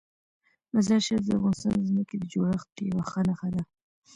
مزارشریف د افغانستان د ځمکې د جوړښت یوه ښه نښه ده.